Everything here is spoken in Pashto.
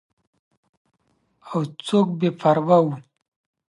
او څوک بې پروا وو.